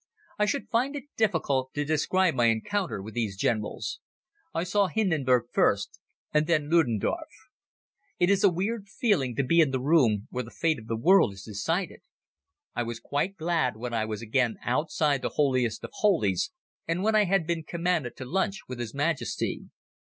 I should find it difficult to describe my encounter with these Generals. I saw Hindenburg first and then Ludendorf. It is a weird feeling to be in the room where the fate of the world is decided. I was quite glad when I was again outside the holiest of holies and when I had been commanded to lunch with His Majesty.